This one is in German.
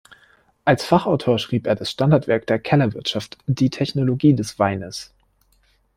Als Fachautor schrieb er das Standardwerk der Kellerwirtschaft "„Die Technologie des Weines“".